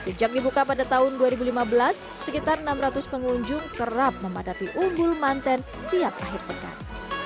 sejak dibuka pada tahun dua ribu lima belas sekitar enam ratus pengunjung kerap memadati umbul mantan tiap akhir pekan